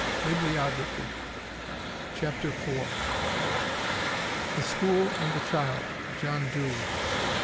BIBLIOGRAPHY. CHAPTER IV. The School and the Child, John Dewey.